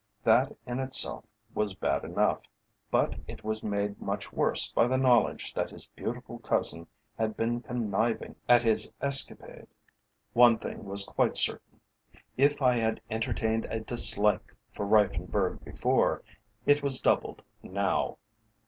That in itself was bad enough, but it was made much worse by the knowledge that his beautiful cousin had been conniving at his escapade. One thing was quite certain; if I had entertained a dislike for Reiffenburg before, it was doubled now.